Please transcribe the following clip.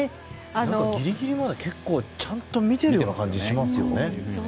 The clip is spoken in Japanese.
ギリギリまでちゃんと見ている感じがしますよね。